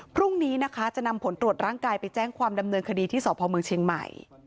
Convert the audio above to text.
พรุ่งนี้นะคะจะนำผลตรวจร่างกายไปแจ้งความดำเนินคดีที่สพเมืองเชียงใหม่